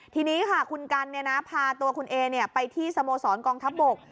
ทีนี้ค่ะคุณกันพาตัวคุณเอไปที่สโมสรกองทัพบก